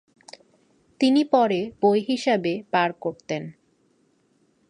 তিনি পরে বই হিসাবে বার করতেন।